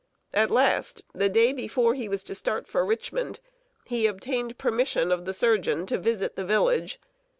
At last, the day before he was to start for Richmond, he obtained permission of the surgeon to visit the village.